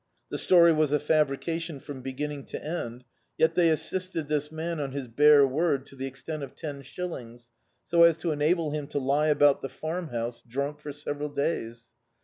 The story was a fabrication from beginning to end, yet they assisted this man on his bare word to the extent of ten shillings, so as to enable him to lie about the Farmhouse drunk for several days.